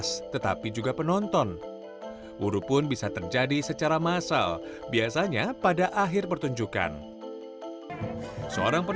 ya itulah kalau sudah puas dari sinarnya ya sudah gampang